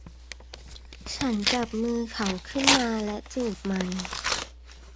ฉันจับมือเขาขึ้นมาและจูบมัน